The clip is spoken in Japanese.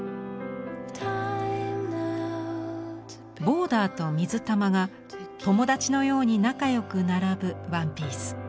ボーダーと水玉が友達のように仲良く並ぶワンピース。